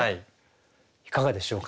いかがでしょうか？